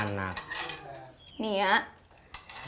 bang harun udah punya anak